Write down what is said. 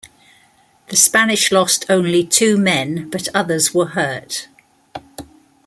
The Spanish lost only two men but others were hurt.